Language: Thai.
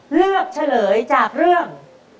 เลือกเฉลยจากเรื่อง